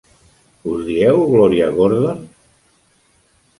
Us dieu Gloria Gordon?